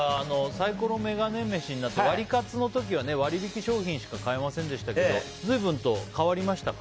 サイコロメガネ飯になってワリカツの時は割引商品しか買えませんでしたけど随分と変わりましたか？